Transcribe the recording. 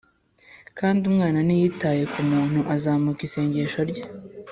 kandi umwana ntiyitaye kumuntu azamuka isengesho rye